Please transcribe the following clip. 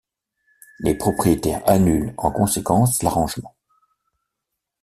Les propriétaires annulent en conséquence l’arrangement.